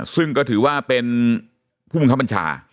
ซึ่งก็ถือว่าเป็นภูมิคบัญชา